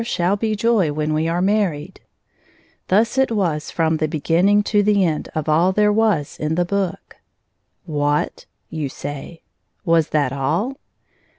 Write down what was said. "0>: and R shall be joy when we are married/' Thus it was from the begmning to the end of all there was m the book. " What !" you say, " was that all